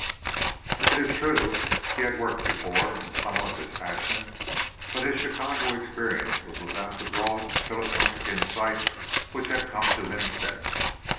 It is true he had worked before in somewhat this fashion, but his Chicago experience was without the broad philosophic insight which had come to him since.